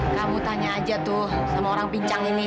kamu tanya aja tuh sama orang pincang ini